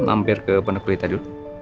mampir ke pendekulita dulu